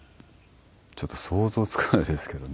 ちょっと想像つかないですけどね。